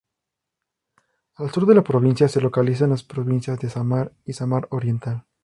Al sur de la provincia se localizan las provincias de Sámar y Sámar oriental.